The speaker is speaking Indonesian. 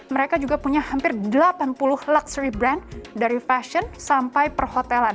mereka juga punya hampir delapan puluh luxury brand dari fashion sampai perhotelan